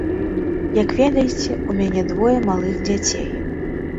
Як ведаеце, у мяне двое малых дзяцей.